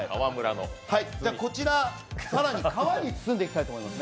こちら、更に皮に包んでいきたいと思います。